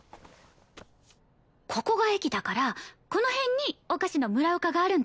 ここが駅だからこの辺に「おかしのむらおか」があるんだよ。